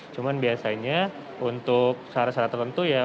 cuman biasanya untuk syarat syarat tertentu ya